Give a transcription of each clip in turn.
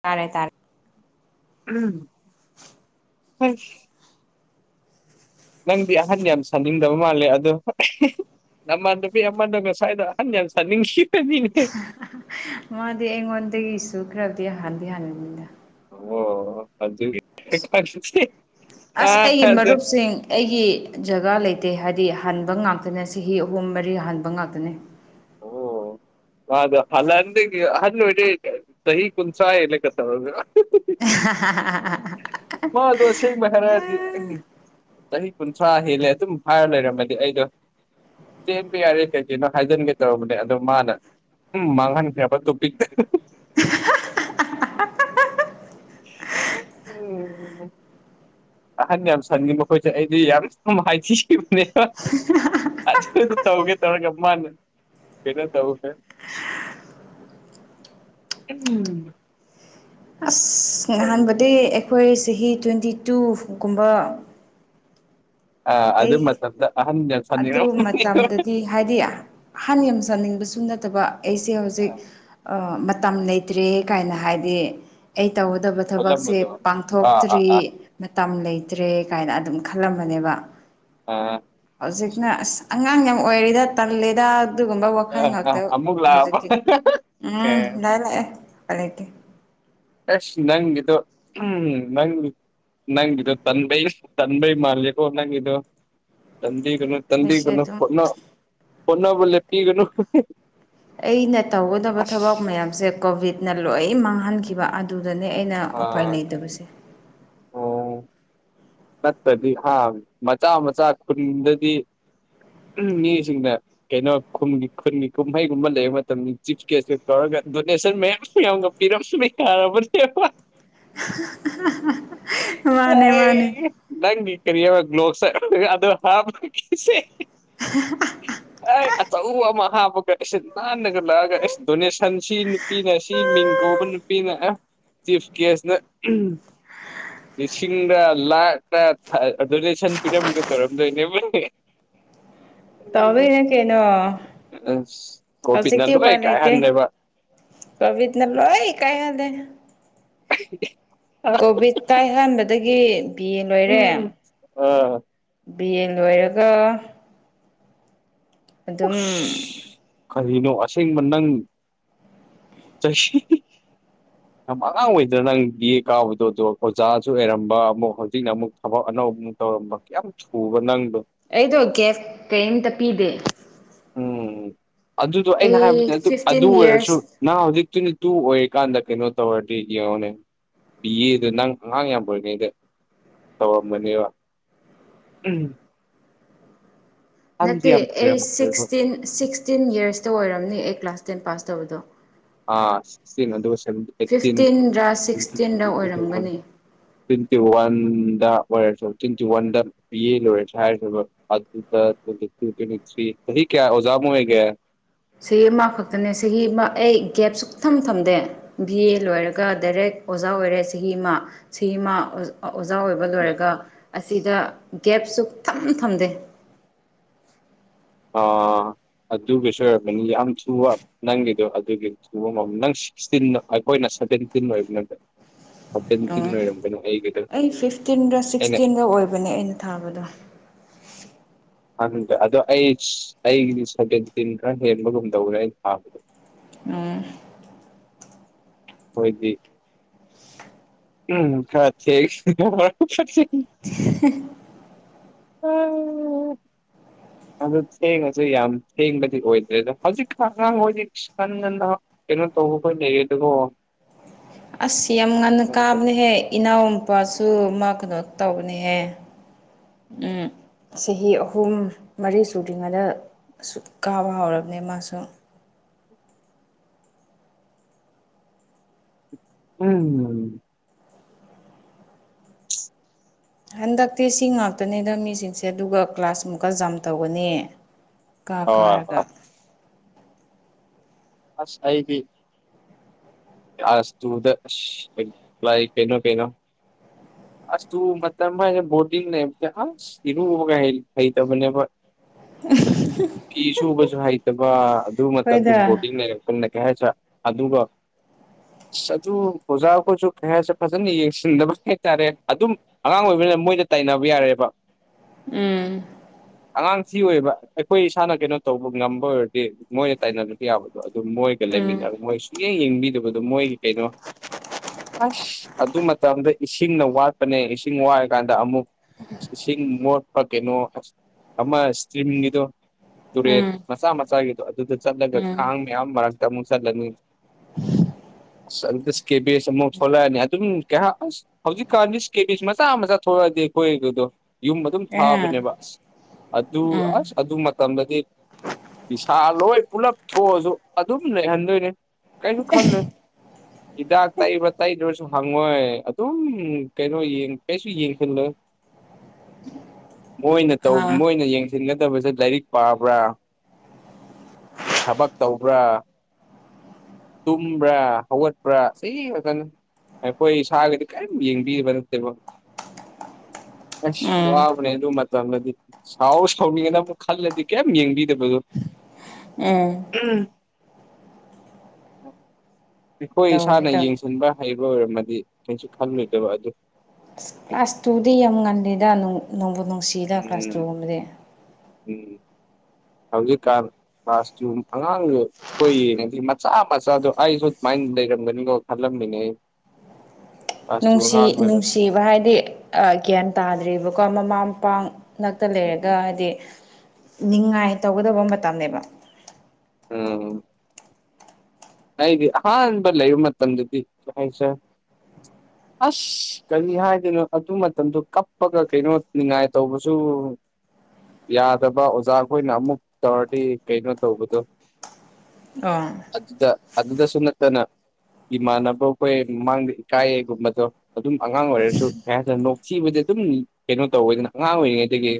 ꯇꯥꯔꯦ ꯇꯥꯔꯦ ꯎꯝ ꯍ [unintelligible] ꯅꯪꯗꯤ ꯑꯍꯟ ꯌꯥꯝ ꯁꯥꯅꯤꯡꯗꯕ ꯃꯥꯜꯂꯦ ꯑꯗꯣ ꯑꯃꯥ ꯅꯨꯄꯤ ꯑꯃꯗꯣ ꯉꯁꯥꯏꯗꯣ ꯑꯍꯟ ꯌꯥꯝꯅ ꯁꯥꯅꯤꯡꯈꯤꯕꯅꯤꯅꯦ꯫ ꯃꯥꯗꯤ ꯑꯩꯉꯣꯟꯗꯒꯤꯁꯨ ꯈꯔꯗꯤ ꯍꯥꯟꯗꯤ ꯍꯥꯟꯕꯅꯤꯅ ꯑꯣ ꯑꯗꯨꯒꯤ [unintelligible] ꯑꯁ ꯑꯩꯒꯤ ꯃꯥꯗꯣ ꯃꯔꯨꯞꯁꯤꯡ ꯑꯩꯒꯤ ꯖꯒꯥ ꯂꯩꯇꯦ ꯍꯥꯏꯗꯤ ꯍꯟꯥꯕ ꯉꯥꯛꯇꯅꯦ ꯆꯍꯤ ꯑꯍꯨꯝ ꯃꯔꯤ ꯍꯥꯟꯕ ꯉꯥꯛꯇꯅꯦ ꯑꯣ ꯑꯗ ꯅꯍꯥꯟꯗꯒꯤ ꯑꯍꯟ ꯑꯣꯏꯔꯦ ꯆꯍꯤ ꯀꯨꯟꯊꯔꯥ ꯍꯦꯜꯂꯦ ꯀꯥ ꯇꯧꯔꯒ꯫ ꯍ ꯍ ꯍ ꯃꯥꯗꯣ ꯑꯁꯦꯡꯃ ꯍꯥꯏꯔꯗꯤ ꯆꯍꯤ ꯀꯨꯟꯊ꯭ꯔꯥ ꯍꯦꯜꯂꯦ ꯑꯗꯨꯝ ꯍꯥꯏꯔ ꯂꯩꯔꯝꯃꯗꯤ ꯑꯩꯗꯣ꯫ ꯆꯦꯟꯕ ꯌꯥꯏꯔꯦ ꯀꯩ ꯀꯩꯅꯣ ꯍꯥꯏꯖꯤꯟꯒꯦ ꯇꯧꯕꯅꯦ ꯑꯗꯣ ꯃꯥꯅ ꯎꯝ ꯃꯡꯍꯟꯈꯔ꯭ꯦꯕꯥ ꯇꯣꯄꯤꯛꯇꯣ ꯎꯝ ꯑꯍꯟ ꯌꯥꯝ ꯁꯟꯅꯤꯡꯕ ꯃꯈꯣꯏꯁꯦ ꯑꯩꯗꯤ ꯌꯥꯝ ꯁ ꯍꯥꯏꯈꯤꯕꯅꯦꯕ ꯑꯗꯨꯅ ꯇꯧꯒꯦ ꯇꯔꯒ ꯃꯅꯥ ꯀꯩꯅꯣ ꯇꯧꯈꯦ [unintelligible] ꯎꯝ ꯑꯁ ꯅꯍꯥꯟꯕꯗꯤ ꯑꯩꯈꯣꯏ ꯆꯍꯤ ꯇ꯭ꯋꯦꯟꯇꯤ ꯇꯨꯒꯨꯝꯕ ꯑꯥ ꯑꯗꯨ ꯑꯩ ꯃꯇꯝꯗ ꯑꯍꯟꯅ ꯑꯗꯨ ꯁꯥꯅꯤꯡꯔꯝꯅꯤ ꯃꯇꯝꯗꯗꯤ ꯍꯥꯏꯗꯤ ꯍꯥꯟꯅ ꯌꯥꯝꯆꯥꯅꯤꯡꯕꯁꯨ ꯅꯠꯇꯕ ꯑꯩꯁꯦ ꯍꯧꯖꯤꯛ ꯑꯥ ꯃꯇꯝ ꯂꯩꯇ꯭ꯔꯦ ꯀꯥꯏꯅ ꯍꯥꯏꯗꯤ ꯑꯩ ꯇꯧꯒꯗꯕ ꯊꯕꯛꯁꯦ ꯈꯜꯂꯝꯕꯗꯣ ꯑꯥ ꯑꯥ ꯄꯥꯡꯊꯣꯛꯇ꯭ꯔꯤ ꯑꯥ ꯃꯇꯝ ꯂꯩꯇ꯭ꯔꯦ ꯀꯥꯏꯅ ꯑꯗꯨꯝ ꯈꯜꯂꯝꯕꯅꯦꯕ ꯑꯥ ꯍꯧꯖꯤꯛꯅ ꯑꯁ ꯑꯉꯥꯡ ꯌꯥꯝ ꯑꯣꯏꯔꯤꯗ ꯇꯜꯂꯦꯗ ꯑꯗꯨꯒꯨꯝꯕ ꯋꯥꯈꯜ ꯑꯥ ꯑꯥ ꯉꯥꯛꯇ ꯑꯃꯨꯛ ꯂꯥꯛꯑꯕ ꯍꯧꯖꯤꯛꯇꯤ ꯑꯦ ꯎꯝ ꯂꯥꯛꯑꯦ ꯂꯥꯛꯑꯦ [unintelligible] ꯑꯦꯁ ꯅꯪꯒꯤꯗꯣ ꯎꯝ ꯅꯪ ꯅꯪꯒꯤꯗꯣ ꯇꯟꯕꯩ ꯇꯟꯕꯩ ꯃꯥꯜꯒꯣ ꯅꯪꯒꯤꯗꯣ ꯇꯟꯕꯤꯒꯅꯨ ꯑꯩꯁꯦ ꯇꯟꯕꯤꯒꯅꯨ ꯑꯗꯨꯝ ꯍꯣꯠꯅ ꯍꯣꯠꯅꯕꯥ ꯂꯦꯞꯄꯤꯒꯅꯨ ꯑꯩꯅ ꯇꯧꯒꯗꯕ ꯑꯁ ꯊꯕꯛ ꯃꯌꯥꯝꯁꯦ ꯀꯣꯚꯤꯠꯅ ꯂꯣꯏ ꯃꯥꯡꯍꯟꯈꯤꯕ ꯑꯗꯨꯗꯅꯦ ꯑꯩꯅ ꯎꯄꯥꯏ ꯑꯥ ꯂꯩꯇꯕꯁꯦ ꯇꯠꯇꯗꯤ ꯍꯥꯝ ꯃꯆꯥ ꯃꯆꯥ ꯈꯨꯟꯗꯗꯤ ꯎꯝ ꯃꯤꯁꯤꯡꯅ ꯀꯩꯅꯣ ꯈꯨꯝꯒꯤ ꯈꯨꯟꯒꯤ ꯀꯨꯝꯍꯩꯒꯨꯝꯕ ꯂꯩꯕ ꯃꯇꯝꯗ ꯆꯤꯞꯁ ꯒꯦ꯭ꯁꯀ ꯀꯧꯔꯒ ꯗꯣꯅꯦꯁꯟ ꯃꯌꯥꯝ ꯌꯥꯝꯒ ꯄꯤꯔꯝ [unintelligible] [unintelligible] ꯃꯥꯅꯦ ꯃꯥꯅꯦ ꯑꯩ ꯅꯪꯒꯤ ꯀꯔꯤꯕ ꯒ꯭ꯂꯣꯛꯁ ꯑꯗꯨ [unintelligible] [unintelligible] ꯑꯦ ꯑꯆꯧ ꯑꯃ ꯍꯥꯞꯄꯒ ꯑꯩꯁ ꯅꯥꯟꯅꯒ ꯂꯛꯑꯒ ꯑꯩꯁ ꯗꯣꯅꯦꯁꯟ ꯁꯤ ꯅꯨꯄꯤꯅ ꯁꯤ ꯃꯤꯡ ꯀꯧꯕ ꯅꯨꯄꯤꯅ ꯑꯥ ꯆꯤ꯭ꯐꯁ ꯀꯦꯁꯅ ꯎꯝ ꯂꯤꯁꯤꯡꯗ ꯂꯥꯛ [unintelligible] ꯗꯣꯅꯦꯁꯟ ꯄꯤꯔꯝꯒꯦ ꯇꯧꯔꯝꯗꯣꯏꯅꯦꯕ ꯇꯧꯗꯣꯏꯅꯦ ꯀꯩꯅꯣ ꯑꯁ ꯀꯣꯕꯤꯠꯅ ꯂꯣꯏ ꯀꯥꯏ ꯍꯟꯂꯦꯕ ꯀꯣꯕꯤꯗ ꯅ ꯂꯣꯏ ꯀꯥꯏ ꯍꯜꯂꯦ ꯀꯣꯕꯤꯠ ꯀꯥꯏ ꯍꯥꯟꯕꯗꯒꯤ ꯕꯤ ꯑꯦ ꯂꯣꯏꯔꯦ ꯎꯝ ꯑ ꯕꯤ ꯑꯦ ꯂꯣꯏꯔꯒ ꯑꯗꯨꯝ [unintelligible] ꯀꯔꯤꯅꯣ ꯑꯁꯦꯡꯕ ꯅꯪ [unintelligible] ꯌꯥꯝ ꯑꯉꯥꯡ ꯑꯣꯏꯗ꯭ꯔ ꯅꯪ [unintelligible] ꯑꯗꯣ ꯑꯣꯖꯥꯁꯨ ꯑꯣꯏꯔꯝꯕ ꯑꯃꯨꯛ ꯍꯧꯖꯤꯛꯅ ꯑꯃꯨꯛ ꯊꯕꯛ ꯑꯅꯧꯕ ꯇꯧꯔꯝꯕ ꯀꯌꯥꯝ ꯊꯨꯕ ꯅꯪꯗꯣ ꯑꯩꯗꯣ ꯒꯦꯞ ꯀꯔꯤꯝꯇ ꯄꯤꯗꯦ ꯎꯝ ꯑꯗꯨꯗꯣ ꯑꯩꯅ ꯍꯥꯏꯕꯗꯤ ꯑꯩ ꯑꯗꯨ ꯐꯤꯐꯇꯤꯟ ꯑꯗꯨ ꯑꯣꯏꯔꯁꯨ ꯌꯔꯁ [unintelligible] ꯍꯧꯖꯤꯛꯇꯨꯅꯦ ꯇꯨ ꯑꯣꯏꯔꯤꯀꯥꯟꯗ ꯀꯩꯅꯣ ꯇꯧꯔꯗꯤ ꯌꯦꯡꯉꯣꯅꯦ ꯄꯤꯌꯦꯗ ꯅꯪ ꯑꯉꯥꯡ ꯌꯥꯝ ꯑꯣꯏꯔꯤꯉꯩꯗꯥ ꯇꯧꯔꯝꯕꯅꯦꯕ ꯎꯝ ꯅꯠꯇꯦ ꯌꯥꯝ ꯑꯩ ꯑꯣꯏꯔꯝꯃꯣꯏꯕ ꯁꯤꯛꯁꯇꯤꯟ ꯁꯤꯛꯁꯇꯤꯟ ꯌꯔꯁꯇ ꯑꯣꯏꯔꯝꯅꯤ ꯑꯩ ꯀ꯭ꯂꯥꯁ ꯇꯦꯟ ꯄꯥꯁ ꯇꯧꯔꯤꯗꯣ ꯑꯥ ꯐꯤꯐꯇꯤꯟꯔ ꯁꯤꯛꯁꯇꯤꯟꯔ [unintelligible] ꯑꯣꯏꯔꯝꯒꯅꯤ ꯇꯤꯟꯇꯤ ꯋꯥꯟꯗ ꯑꯣꯏꯔꯁꯨ ꯇꯤꯟꯇꯤ ꯋꯥꯟꯗ ꯕꯤꯌꯦ ꯂꯣꯏꯔꯁꯨ ꯍꯥꯏꯗꯨꯏꯕ [unintelligible] ꯀꯌꯥ ꯑꯣꯖꯥ ꯃꯨꯛ ꯑꯣꯏꯔꯒꯦ ꯁꯤ ꯃꯥ ꯈꯛꯇꯅꯦ ꯁꯤꯒꯤ ꯃꯥ ꯑꯩ ꯒꯦꯞ ꯁꯨꯛ ꯊꯝ ꯊꯝꯗꯦ ꯕꯤ ꯑꯦ ꯂꯣꯏꯔꯒ ꯗꯥꯏꯔꯦꯛ ꯑꯣꯖꯥ ꯑꯣꯏꯔꯦ ꯆꯍꯤ ꯑꯃ ꯆꯤ ꯑꯃ ꯑꯣꯖꯥ ꯑꯣꯏꯕ ꯂꯣꯏꯔꯒ ꯑꯁꯤꯗ ꯒꯦꯞꯁꯨ ꯊꯝ ꯊꯝꯗꯦ ꯑꯣ ꯑꯗꯨꯒꯤ ꯁꯨ ꯑꯣꯏꯔꯕꯅꯤ ꯌꯥꯝ ꯊꯨꯕ ꯅꯪꯒꯤꯗꯣ ꯑꯗꯨꯒꯤ [unintelligible] ꯅꯪ ꯁꯤꯛꯁꯇꯤꯟ ꯑꯩꯈꯣꯏꯅ ꯁꯚꯦꯟꯇꯤꯟ ꯑꯣꯏꯕ ꯅꯪꯗ ꯑꯣ ꯑꯩ ꯐꯤꯐꯇꯤꯟꯗ ꯑꯩꯅ ꯁꯤꯛꯁꯇꯤꯟꯗ ꯑꯣꯏꯕꯅꯦ ꯑꯩꯅ ꯊꯥꯕꯗꯣ ꯍꯪꯗꯦ ꯑꯗꯣ ꯑꯩ ꯑꯩꯒꯤ ꯁꯦꯚꯦꯟꯇꯤꯟ ꯈꯔ ꯍꯦꯟꯕꯒꯨꯝꯗꯧꯔꯦ ꯑꯩ ꯊꯥꯕꯗꯣ ꯑꯥ ꯍꯣꯏꯗꯤ ꯎꯝ ꯈꯔ [unintelligible] [unintelligible] ꯎꯝ ꯎ [inaudible] ꯑꯗꯣ ꯊꯦꯡꯉꯁꯨ ꯌꯥꯝ ꯊꯦꯡꯕꯗꯤ ꯑꯣꯏꯗ꯭ꯔꯦꯗ ꯍꯧꯖꯤꯛ ꯀꯥꯟ ꯑꯉꯥꯡ ꯑꯣꯏꯗꯤ ꯉꯟ ꯉꯟ ꯅꯥ ꯀꯩꯅꯣ ꯇꯧꯕ ꯈꯣꯢ ꯂꯩꯔꯦꯗꯒꯣ ꯑꯁ ꯌꯥꯝ ꯉꯟꯅ ꯀꯥꯕꯅꯦꯍꯦ ꯏꯅꯥꯎꯅꯨꯄꯥꯁꯨ ꯃꯥ ꯀꯩꯅꯣ ꯇꯧꯕꯅꯤꯍꯦ ꯆꯍꯤ ꯑꯍꯨꯝ ꯃꯔꯤ ꯁꯨꯗ꯭ꯔꯤꯉꯩꯗ ꯑꯁꯨꯛ ꯀꯥꯕ ꯍꯧꯎꯔꯕꯅꯤ ꯃꯥꯁꯨ꯫ [inaudible] ꯍꯟꯗꯛꯇꯤ ꯁꯤ ꯉꯥꯛꯇꯅꯤꯗ ꯃꯤꯁꯤꯡꯁꯦ ꯑꯗꯨꯒ ꯀ꯭ꯂꯥꯁꯃꯨꯛꯀ ꯖꯥꯝ ꯇꯧꯒꯅꯤ ꯀꯥ ꯍꯣꯏ ꯀꯥꯔꯒ ꯍꯣꯏ ꯑꯁ ꯑꯩꯗꯤ꯫ ꯑꯁ ꯇꯨꯗ ꯑꯩꯈꯣꯢ ꯂꯥ [inaudible] ꯏ ꯀꯩꯅꯣ ꯀꯩꯅꯣ ꯑꯁ ꯇꯨ ꯃꯇꯝ ꯍꯤꯢꯔ ꯕꯣꯔꯗꯤꯡ ꯂꯩꯕꯗ ꯑꯁ ꯏꯔꯨꯕꯒꯥ ꯍꯩꯇꯕꯅꯦ ꯑꯩꯈꯣꯢ ꯐꯤ ꯁꯨꯕꯁꯨ ꯍꯩꯇꯕ ꯑꯗꯨ ꯃꯇꯝꯗ ꯍꯣꯏꯗ ꯕꯣꯔꯗꯤꯡ ꯂꯩꯔꯛ ꯆꯨꯝꯅꯥ ꯀꯩꯍꯥꯏꯗ꯭ꯔꯥ ꯑꯗꯨꯒ ꯑ ꯑꯗꯨ ꯑꯣꯖꯥ ꯑꯩꯈꯣꯏꯁꯨ ꯀꯩ ꯍꯥꯢꯁꯤꯔ ꯐꯖꯅ ꯌꯦꯡꯁꯤꯟꯗꯕ ꯍꯥꯏꯇꯥꯔꯦ ꯑꯗꯨꯝ ꯑꯉꯥꯡ ꯑꯣꯏꯕꯅꯤꯅ ꯃꯣꯏꯗ ꯇꯥꯏꯅꯕ ꯌꯥꯔꯦꯕ ꯎꯝ꯫ ꯑꯉꯥꯡ ꯊꯤ ꯑꯣꯏꯕ ꯑꯩꯈꯣꯏ ꯏꯁꯥꯅ ꯀꯩꯅꯣ ꯇꯧꯕ ꯉꯝꯕ ꯑꯣꯏꯔꯗꯤ ꯃꯣꯏꯅ ꯇꯥꯏꯅ ꯌꯥꯕꯥ ꯑꯗꯨꯝ ꯃꯣꯏꯒ ꯎꯝ ꯂꯩꯃꯤꯟꯅꯔ ꯃꯣꯏ ꯁꯨꯡꯌꯦꯡ ꯌꯦꯡꯕꯤꯗꯕꯗꯣ ꯃꯣꯏ ꯀꯩꯅꯣ ꯑꯁ ꯑꯗꯨ ꯃꯇꯝꯗ ꯏꯁꯤꯡꯅ ꯋꯥꯠꯄꯅꯦ ꯏꯁꯤꯡ ꯋꯥꯔꯀꯥꯟꯗ ꯑꯃꯨꯛ ꯏꯁꯤꯡ ꯃꯣꯠꯄ ꯀꯩꯅꯣ ꯑꯃ ꯏꯁꯇ꯭ꯔꯤꯝꯒꯤꯗꯣ ꯇꯨꯔꯦꯟ ꯎꯝ ꯃꯆꯥ ꯃꯆꯥꯒꯤꯗꯣ ꯑꯗꯨꯗ ꯆꯠꯂꯒ ꯎꯝ ꯀꯥꯡ ꯃꯌꯥꯝ ꯃꯔꯛꯇ ꯑꯃꯨꯛ ꯆꯠꯂꯅꯤ꯫ [unintelligible] ꯑꯁ ꯑꯗꯨ ꯁꯀꯦꯕꯦꯁ ꯑꯃꯨꯛ ꯊꯣꯛꯂꯛꯑꯅꯤ ꯑꯗꯨꯝ ꯀꯌꯥ ꯑꯁ꯫ ꯍꯧꯖꯤꯛꯀꯥꯟꯗꯤ ꯀꯦꯕꯤꯁ ꯃꯆꯥ ꯃꯆꯥ ꯊꯣꯛꯂꯛꯑꯗꯤ ꯑꯩꯈꯣꯏꯗꯣ ꯌꯨꯝ ꯑꯗꯨꯝ ꯑꯦ ꯊꯥꯕꯅꯦꯕ ꯑꯁ ꯑꯗꯨ ꯎꯝ ꯑꯁ ꯑꯗꯨ ꯃꯇꯝꯗꯗꯤ ꯅꯤꯁꯥ ꯂꯣꯏ ꯄꯨꯂꯞ ꯊꯣꯛꯑꯁꯨ ꯑꯗꯨꯝ ꯂꯩꯍꯟꯗꯣꯏꯅꯦ꯫ ꯈꯜꯂꯦ꯫ ꯍꯤꯗꯥꯛ ꯇꯛꯏꯕ ꯇꯩꯗ꯭ꯔꯁꯨ ꯍꯪꯉꯣꯏ ꯑꯗꯨꯝ ꯀꯩꯅꯣ ꯀꯩꯁꯨ ꯌꯦꯡꯁꯤꯜꯂꯣꯏ ꯃꯣꯏꯅ ꯇꯧ ꯑꯥ ꯃꯣꯏꯅ ꯌꯦꯡꯁꯤ ꯌꯦꯟꯁꯤꯟꯗꯕꯁꯦ ꯂꯥꯏꯔꯤꯛ ꯄꯥꯕ꯭ꯔꯥ ꯊꯕꯛ ꯇꯧꯕ꯭ꯔꯥ ꯇꯨꯝꯕ꯭ꯔꯥ ꯍꯧꯒꯠꯄ꯭ꯔꯥ ꯁꯤ ꯈꯛꯇꯅꯤ ꯑꯩꯈꯣꯏ ꯏꯁꯥꯒꯤꯗꯤ ꯀꯔꯤꯝ ꯌꯦꯡꯕꯤꯕ ꯅꯠꯇꯦꯕ ꯑꯁ ꯋꯥ ꯎꯝ ꯕꯅꯦ ꯑꯗꯨ ꯃꯇꯝꯗꯗꯤ ꯁꯥꯎ ꯁꯥꯎꯅꯤꯡꯉꯦꯅ ꯑꯃꯨꯛ ꯈꯜꯂꯗꯤ ꯀꯩꯝ ꯌꯦꯡꯕꯤꯗꯕꯗꯣ꯫ ꯎꯝ ꯎꯝ [inaudible] ꯑꯩꯈꯣꯏ ꯇꯧꯕꯅꯤ ꯏꯁꯥꯅ ꯇꯧꯕꯅꯤ ꯌꯦꯡꯁꯤꯟꯕ ꯍꯩꯕ ꯑꯣꯏꯔꯝꯃꯗꯤ ꯀꯩꯁꯨ ꯈꯜꯂꯣꯏꯗꯕ ꯑꯗꯨ ꯀ꯭ꯂꯥꯁ ꯇꯨꯗꯤ ꯌꯥꯝ ꯉꯜꯂꯤꯗ ꯅꯨꯡ ꯅꯨꯡꯕꯨ ꯅꯨꯡꯁꯤꯗ ꯀ꯭ꯂꯥꯁ ꯎꯝ ꯇꯨꯒꯨꯝꯕꯗꯤ ꯎꯝ ꯍꯧꯖꯤꯛꯀꯥꯟ ꯀ꯭ꯂꯥꯁ ꯇꯨ ꯑꯉꯥꯡꯗꯨ ꯀꯣꯏꯌꯦ ꯅ ꯃꯆꯥ ꯃꯆꯥꯗ ꯑꯩꯁꯨ ꯃꯥꯏꯟ ꯂꯩꯔꯝꯒꯅꯤꯀꯣ ꯈꯜꯂꯝꯃꯤꯅꯦ ꯑꯩ꯫ ꯀ꯭ꯂꯥꯁ ꯇꯨ ꯅꯨꯡꯁꯤ ꯑꯉꯥꯡ ꯑꯣꯏꯔꯗꯤ ꯅꯨꯡꯁꯤꯕ ꯍꯥꯏꯗꯤ ꯒ꯭ꯌꯥꯟ ꯇꯥꯗ꯭ꯔꯤꯕꯀꯣ ꯃꯃꯥ ꯃꯄꯥꯥ ꯅꯛꯇ ꯂꯩꯔꯒ ꯎꯝ ꯍꯥꯏꯗꯤ ꯅꯤꯡꯉꯥꯏ ꯇꯧꯒꯗꯕ ꯃꯇꯝꯅꯦꯕ ꯎꯝ ꯑꯩꯗꯤ ꯑꯍꯥꯟꯕ ꯂꯩꯕ ꯃꯇꯝꯝꯗꯗꯤ ꯀꯩ ꯍꯥꯢꯁꯤꯔ ꯑꯁ ꯀꯔꯤ ꯍꯥꯏꯗꯣꯏꯅꯣ ꯑꯗꯨ ꯃꯇꯝꯗꯨ ꯀꯞꯄꯒ ꯀꯩꯅꯣ ꯅꯤꯡꯉꯥꯏ ꯇꯧꯕꯁꯨ ꯌꯥꯗꯕ ꯑꯣꯖꯥꯈꯣꯏꯅ ꯑꯃꯨꯛ ꯇꯧꯔꯗꯤ ꯀꯩꯅꯣ ꯇꯧꯕꯗꯣ ꯑꯥ ꯑꯗꯨꯗ ꯑꯗꯨꯗꯁꯨ ꯅꯠꯇꯅ ꯏꯃꯥꯟꯅꯕꯈꯣꯏ ꯃꯃꯥꯡꯗ ꯏꯀꯥꯏꯌꯦꯒꯨꯝꯕꯗꯣ ꯑꯗꯨꯝ ꯑꯉꯥꯡ ꯑꯣꯏꯔꯁꯨ [unintelligible] ꯅꯣꯛꯊꯤꯕꯗꯤ ꯑꯗꯨꯝ ꯀꯩꯅꯣ ꯇꯧꯋꯦꯗꯅ ꯑꯉꯥꯡ ꯑꯣꯏꯔꯤꯉꯩꯗꯒꯤ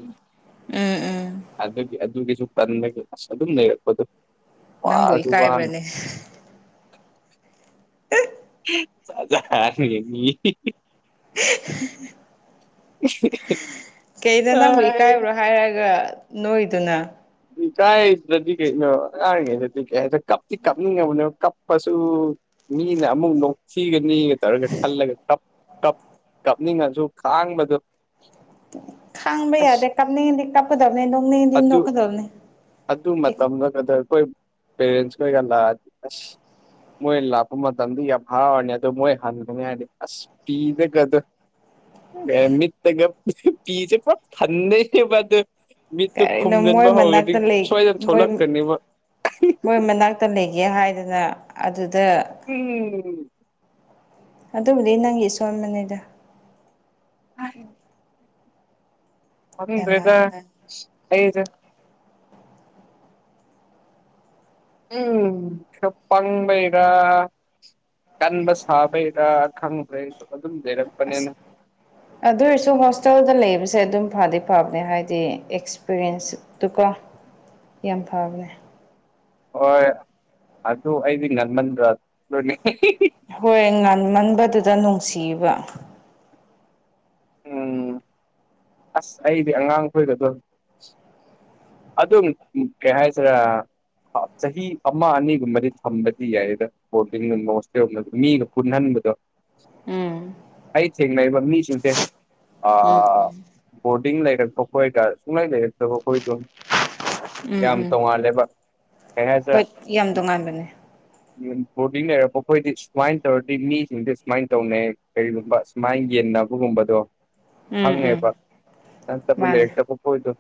ꯎꯝ ꯎꯝ ꯑꯗꯨꯒꯤ ꯑꯗꯨꯒꯤꯁꯨ ꯀꯟ ꯑꯁ ꯑꯗꯨꯝ ꯂꯩꯔꯛꯄꯗꯣ꯫ ꯅꯪꯕꯨ ꯋꯥꯔꯁꯨ ꯋꯥꯅ ꯏꯀꯥꯏꯕ꯭ꯔꯅꯦ ꯖꯥꯠ ꯖꯥ ꯃꯤ꯫ ꯑꯦ ꯑꯍ꯫ ꯏꯍꯤ꯫ ꯀꯩꯗ ꯅꯪꯕꯨ ꯏꯀꯥꯏꯕ꯭ꯔꯣ ꯍꯥꯏꯔꯒ ꯅꯣꯏꯗꯨꯅ ꯏꯀꯥꯏꯁꯤꯗꯗꯤ ꯀꯩꯅꯣ ꯑꯉꯥꯡꯔꯤꯉꯩꯗꯗꯤ ꯀꯩ ꯍꯥꯏꯗꯦ ꯀꯞꯇꯤ ꯀꯞꯅꯤꯡꯉꯕꯅꯣ ꯀꯞꯄꯁꯨ ꯃꯤꯅ ꯑꯃꯨꯛ ꯅꯣꯛꯊꯤꯒꯅꯤ ꯇꯧꯔꯒ ꯈꯜꯂꯒ ꯀꯞ ꯀꯞ ꯀꯞꯅꯤꯡꯉꯁꯨ ꯈꯥꯡꯕꯗꯣ ꯈꯥꯡꯕ ꯌꯥꯗꯦ ꯑꯁ ꯀꯞꯅꯤꯡꯗꯤ ꯀꯞꯀꯗꯕꯅꯤ ꯅꯣꯛꯅꯦꯗꯤ ꯑꯗꯨ ꯅꯣꯛꯀꯗꯕꯅꯤ꯫ ꯑꯗꯨ ꯃꯇꯝꯗ ꯀꯗꯔꯈꯣꯏ ꯄꯦꯔꯦꯟꯁꯈꯣꯏꯒ ꯂꯥꯛꯑꯗꯤ ꯑꯁ ꯃꯣꯏ ꯂꯥꯛꯄ ꯃꯇꯝꯗ ꯌꯥꯝ ꯍꯔꯥꯎꯔꯅꯤ ꯑꯗꯨꯣ ꯃꯣꯏ ꯍꯟꯒꯅꯤ ꯍꯥꯏꯗꯤ ꯑꯁ꯫ ꯄꯤꯗ ꯀꯗꯣ ꯀꯃꯤꯠꯇꯒ ꯄꯤꯁꯦ ꯄ ꯊꯟꯗꯦꯕꯗ ꯃꯤꯠꯇꯨ ꯀꯔꯤꯅꯣ ꯃꯣꯏ ꯈꯨꯝꯖꯤꯟꯕ ꯍꯧꯒꯔꯗꯤ꯫ ꯃꯅꯥꯛꯇ ꯂꯩ ꯃꯣꯏ ꯃꯣꯏ ꯃꯅꯥꯛꯇ ꯂꯩꯒꯦ ꯍꯥꯏꯗꯅ ꯑꯗꯨꯗ ꯎꯝꯝ ꯑꯗꯨꯕꯨꯗꯤ ꯅꯪꯒꯤ ꯏꯁꯣꯟꯕꯅꯦꯗꯥ [unintelligible] ꯍꯗ꯭ꯔꯗ ꯀꯅꯥꯅ ꯑꯩꯁ ꯎꯝ ꯈꯔ ꯄꯪꯕꯩꯔꯥ ꯀꯟꯕ ꯁꯥꯕꯩꯔꯥ ꯈꯪꯗ꯭ꯔꯦ ꯑꯩꯁꯨ ꯑꯗꯨꯝ ꯑꯁ ꯂꯩꯔꯛꯄꯅꯦꯅ ꯑꯗꯨ ꯑꯣꯏꯔꯁꯨ ꯍꯣꯁꯇꯦꯜꯗ ꯂꯩꯕꯁꯦ ꯑꯗꯨꯝ ꯐꯗꯤ ꯐꯕꯅꯦ ꯍꯥꯏꯗꯤ ꯑꯦꯛꯁ ꯑꯦꯛꯁꯄꯤꯔꯤꯌꯦꯟꯁꯇꯨꯀꯣ ꯌꯥꯝ ꯐꯕꯅꯦ꯫ ꯍꯣꯏ ꯑꯗꯨ ꯑꯩꯗꯤ ꯉꯟꯃꯟꯗ꯭ꯔ [unintelligible] ꯍꯤꯍꯤ ꯍꯣꯏ ꯉꯟꯃꯟꯕꯗꯨꯗ ꯅꯨꯡꯁꯤꯕ ꯎꯝ ꯑꯁ ꯑꯩꯗꯤ ꯑꯉꯥꯡꯈꯣꯏꯒꯗꯣꯏ꯫ ꯑꯗꯨꯝ ꯀꯩ ꯍꯥꯏꯁꯤꯔꯥ ꯆꯍꯤ ꯑꯃ ꯑꯅꯤꯒꯨꯝꯕꯗꯤ ꯊꯝꯕꯗꯤ ꯌꯥꯏꯗ꯫ ꯕꯣꯔꯗꯤꯡꯒꯨꯝꯕ ꯍꯣꯁꯇꯦꯜꯗ ꯃꯤꯒ ꯄꯨꯟꯅꯟꯕꯗꯣ ꯎꯝ ꯑꯩ ꯊꯦꯡꯅꯩꯕ ꯃꯤꯁꯤꯡꯁꯦ꯫ ꯎꯝ ꯑꯥ ꯎꯝ ꯕꯣꯔꯗꯤꯡ ꯂꯩꯔꯛꯄ ꯈꯣꯏꯒ ꯁꯨꯡꯂꯩ ꯂꯩꯔꯛꯇꯕꯈꯣꯏꯗꯣ꯫ ꯎꯝ ꯎꯝ ꯌꯥꯝ ꯎꯝ ꯇꯣꯡꯉꯥꯜꯂꯦꯕ ꯍꯣꯏ ꯌꯥꯝ ꯇꯣꯉꯥꯟꯕꯅꯦ [unintelligible] ꯕꯣꯔꯗꯤꯡ ꯂꯩꯔꯛꯄ ꯑꯩꯈꯣꯏꯗꯤ ꯁꯨꯃꯥꯏꯅ ꯇꯧꯔꯗꯤ ꯃꯤꯁꯤꯡꯗꯤ ꯁꯨꯃꯥꯏꯅ ꯇꯧꯅꯩ ꯀꯔꯤꯒꯨꯝꯕ꯫ ꯃꯥꯏꯅ ꯌꯦꯟꯅꯕꯒꯨꯝꯕꯗꯣ ꯎꯨꯝ ꯎꯨꯝ [unintelligible] ꯍꯣꯏꯗ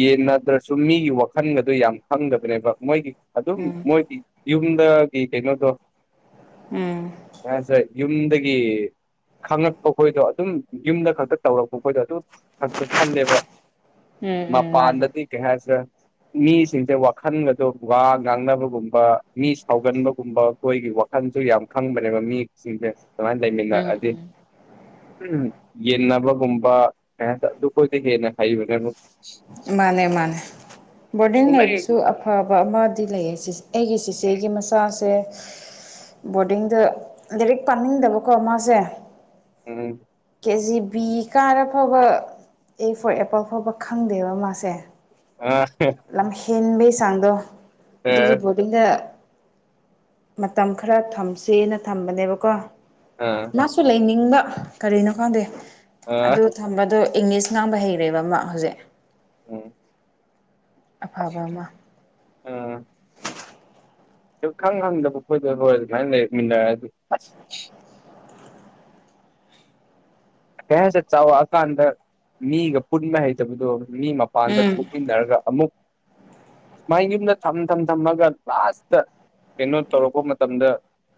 ꯌꯦꯟꯅꯥꯗ꯭ꯔꯁꯨ ꯃꯤꯒꯤ ꯋꯥꯈꯟꯒꯗꯨ ꯌꯥꯝ ꯈꯪꯗꯕꯅꯦꯕ ꯃꯣꯏꯒꯤ ꯑꯗꯨꯝ ꯎꯝ ꯃꯣꯏꯒꯤ ꯌꯨꯝꯗꯒꯤ ꯀꯩꯅꯣꯗꯣ ꯎꯝ ꯑꯁꯔ ꯌꯨꯝꯗꯒꯤ ꯈꯉꯛꯄꯈꯣꯏꯗꯣ ꯑꯗꯨꯝ ꯌꯨꯝꯗ ꯈꯛꯇ ꯇꯧꯔꯛꯄ ꯑꯩꯈꯣꯏꯗꯣ ꯑꯗꯨꯝ ꯈꯛꯇ ꯈꯜꯂꯦꯕ ꯎꯝ ꯎꯝ ꯃꯥꯅꯦ ꯃꯄꯥꯟꯗꯗꯤ ꯀꯩ ꯍꯥꯏꯗ꯭ꯔꯥ ꯑꯩꯈꯣ ꯃꯤꯁꯤꯡꯁꯦ ꯋꯥꯈꯜꯒꯗꯣ ꯋꯥ ꯉꯥꯡꯅꯕꯒꯨꯝꯕ ꯃꯤ ꯁꯥꯎꯒꯟꯕꯒꯨꯝꯕ ꯑꯩꯈꯣꯏꯒꯤ ꯈꯪꯁꯨ ꯌꯥꯝ ꯈꯪꯕꯅꯦꯕ ꯃꯤꯁꯤꯡꯁꯦ ꯑꯗꯨꯃꯥꯏꯅ ꯎꯝ ꯂꯩꯃꯤꯟꯅꯑꯗꯤ ꯎꯝ ꯎꯝ ꯌꯦꯟꯅꯕꯒꯨꯝꯕ꯫ [unintelligible] ꯑꯗꯨꯈꯣꯏꯗꯤ ꯍꯦꯟꯅ ꯍꯩꯕꯅꯦꯕ ꯃꯥꯅꯦ ꯃꯥꯅꯦ ꯕꯣꯔꯗꯤꯡ ꯁꯨꯡꯂꯩ ꯂꯩꯕꯤꯁꯨ ꯑ ꯐꯥꯕ ꯑꯃꯗꯤ ꯂꯩꯌꯦ ꯁꯤꯁꯦ ꯑꯩꯒꯤ ꯆꯦꯆꯦꯒꯤ ꯃꯆꯥꯁꯦ ꯑꯁ ꯕꯣꯔꯗꯤꯡꯗ ꯂꯥꯏꯔꯤꯛ ꯄꯥꯝꯅꯤꯡꯗꯕꯀꯣ ꯃꯥꯁꯦ꯫ ꯎꯝ ꯀꯦꯖꯤ ꯕꯤ ꯀꯥꯔ ꯐꯥꯎꯕ ꯑꯦ ꯐꯣꯔ ꯑꯦꯄꯜ ꯐꯥꯎꯕ ꯈꯪꯗꯦꯕ ꯃꯥꯁꯦ ꯑꯥ ꯑꯍ꯫ ꯂꯝ ꯍꯦꯟꯕꯩ ꯆꯥꯡꯗꯣ ꯑꯗꯨꯒꯤꯕꯣ ꯑꯩꯅ ꯃꯇꯝ ꯈꯔ ꯊꯝꯁꯦꯅ ꯊꯝꯕꯅꯦꯕꯀꯣ ꯑꯥ ꯃꯥꯁꯨ ꯂꯩꯅꯤꯡꯅ ꯀꯔꯤꯅꯣ ꯈꯟꯗꯦ ꯑ ꯑꯗꯨ [unintelligible] ꯗꯣ ꯏꯪꯂꯤꯁ ꯉꯥꯡꯕ ꯍꯩꯔꯦꯕ ꯃꯥ ꯍꯧꯖꯤꯛ ꯎꯨꯝ ꯑꯐꯕ ꯑꯁꯤꯈꯩ ꯑꯃ ꯑꯥ ꯁꯨꯈꯪ ꯈꯪꯗꯕ ꯈꯣꯠꯗꯐꯧ ꯑꯗꯨꯃꯥꯏꯅ ꯂꯩꯔꯛꯃꯤꯟꯅꯔꯛꯑꯗꯤ ꯑꯁ꯫ ꯑꯦꯁ ꯑꯦ ꯆꯥꯎꯔꯛꯑꯀꯥꯟꯗ ꯃꯤꯒ ꯄꯨꯟꯕ ꯍꯩꯇꯕꯗꯣ ꯃꯤ ꯃꯥ ꯄꯥꯟꯗ ꯎꯝ ꯊꯣꯛꯃꯤꯟꯅꯔꯒ ꯑꯃꯨꯛ ꯁꯨꯃꯥꯏꯅ ꯌꯨꯝꯗ ꯊꯝ ꯊꯝ ꯊꯝꯃꯒ ꯂꯥꯁꯇ ꯀꯩꯅꯣ ꯇꯧꯔꯛꯄ ꯃꯇꯝꯗ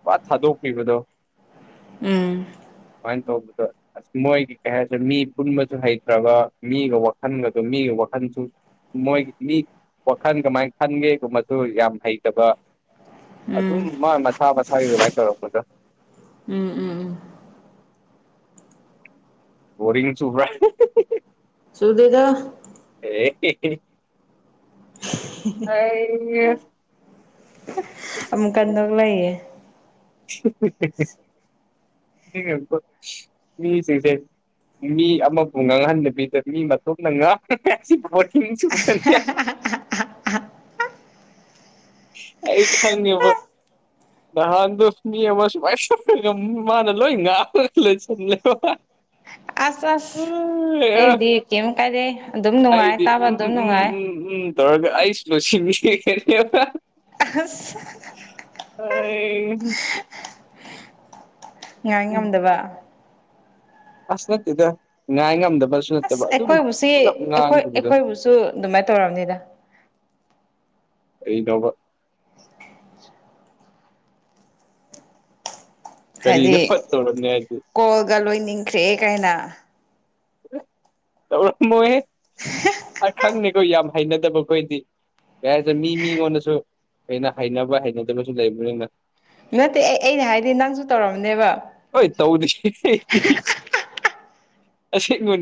ꯋꯥ ꯊꯥꯗꯣꯛꯄꯤꯕꯗꯣ꯫ ꯎꯝ ꯃꯥꯏ꯭ꯅ ꯇꯧꯕꯗ ꯃꯣꯏꯒꯤ ꯀꯩ ꯍꯥꯏꯁꯦ ꯃꯤ ꯄꯨꯟꯕꯁꯨ ꯍꯩꯇ꯭ꯔꯕ ꯃꯤꯒ ꯋꯥꯈꯜꯒꯗꯨ ꯃꯤꯒ ꯋꯥꯈꯜꯁꯨ ꯃꯣꯏ ꯃꯤ ꯋꯥꯈꯜ ꯀꯃꯥꯏꯅ ꯈꯟꯒꯦꯒꯨꯝꯕꯁꯨ ꯌꯥꯝ ꯍꯩꯇꯕ ꯎꯝ ꯑꯗꯨꯝ ꯃꯥ ꯃꯁꯥ ꯃꯁꯥꯒꯤ ꯑꯗꯨꯃꯥꯏꯅ ꯇꯧꯔꯛꯄꯗꯥ ꯎꯨꯝ ꯎꯨꯝ ꯕꯣꯔꯤꯡ ꯆꯨꯕ꯭ꯔꯥ ꯁꯨꯗꯦꯗꯥ꯫ [unintelligible] ꯑꯃꯨꯛ ꯀꯟꯗ ꯅꯣꯛꯂꯛꯏꯌꯦ꯫ ꯅꯤꯡꯉꯛꯄ ꯃꯤꯁꯤꯡꯁꯦ ꯃꯤ ꯑꯃꯕꯨ ꯉꯥꯡꯍꯟꯗꯕꯤꯗ ꯃꯤ ꯃꯇꯣꯝꯗ ꯉꯥꯡꯕ ꯍꯥꯏꯁꯤ ꯕꯣꯔꯤꯡ ꯆꯨꯒꯅꯤꯌꯦ ꯑꯩ ꯈꯪꯉꯦꯕ ꯅꯍꯥꯟꯗꯣ ꯃꯤ ꯑꯃ ꯁꯨꯃꯥꯏ ꯁꯨꯝ ꯃꯥꯅ ꯂꯣꯏ ꯉꯥꯈꯒ ꯂꯩꯁꯜꯂꯦꯕ꯫ ꯑꯁ ꯑꯁ ꯑꯩꯕꯨꯗꯤ ꯀꯩꯝ ꯀꯥꯏꯗꯦ ꯑꯗꯨꯝ ꯅꯨꯡꯉꯥꯏ ꯑꯩꯗꯤ ꯇꯥꯕ ꯎꯝ ꯑꯗꯨꯝ ꯎꯝ ꯅꯨꯡꯉꯥꯏ ꯎꯝ ꯎꯝ ꯇꯧꯔꯒ ꯑꯩꯁ ꯁꯤꯟꯈꯤꯅꯤꯕ ꯑꯩ꯫ ꯍꯁ ꯑꯩꯏ꯫ ꯉꯥꯏ ꯎꯝ ꯉꯝꯗꯕ ꯑꯁ ꯅꯠꯇꯦꯗ ꯉꯥꯏ ꯉꯝꯗꯕꯁꯨ꯫ ꯑꯁ ꯅꯠꯇꯕ ꯑꯗꯨꯝ ꯑꯩꯈꯣꯏꯕꯨꯁꯤ ꯄꯨꯂꯞ ꯑꯩꯈꯣꯏ ꯉꯥꯡꯈꯤꯕꯗꯣ ꯑꯩꯈꯣꯏꯕꯨꯁꯨ ꯑꯗꯨꯃꯥꯏ ꯇꯧꯔꯝꯅꯤꯗ ꯀꯩꯅꯣꯕꯥ ꯍꯥꯏꯗꯤ ꯀꯔꯤꯒꯤꯅꯣ ꯍꯥ ꯇꯧꯔꯝꯃꯦ ꯍꯥꯏꯗꯤ ꯀꯣꯜꯒ ꯂꯣꯏꯅꯤꯡꯈ꯭ꯔꯦ ꯒꯥꯏꯅ ꯇꯧꯔꯝꯃꯣꯏꯍꯦ ꯑꯩꯈꯪꯉꯤꯀꯣ ꯌꯥꯝ ꯍꯩꯅꯗꯕꯈꯣꯏꯗꯤ ꯌꯥꯔꯦꯗ ꯃꯤ ꯃꯤꯉꯣꯟꯗꯁꯨ ꯂꯣꯏꯅꯥ ꯍꯩꯅꯕ ꯍꯩꯅꯗꯕꯁꯨ ꯂꯩꯕꯅꯤꯅ ꯅꯠꯇꯦ ꯑꯩ ꯑꯩꯅ ꯍꯥꯏꯗꯤ ꯅꯪꯁꯨ ꯇꯧꯔꯝꯅꯦꯕ ꯍꯣꯏ ꯇꯧꯗꯦꯍꯦ [unintelligible] ꯑꯁꯦꯡꯕꯅꯤ